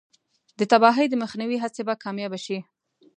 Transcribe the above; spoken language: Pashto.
د تباهۍ د مخنیوي هڅې به کامیابې شي.